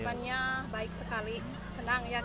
harapannya baik sekali senang ya